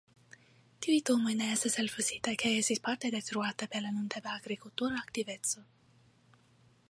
Tiuj domoj ne estas elfositaj kaj estis parte detruata per la nuntempa agrikultura aktiveco.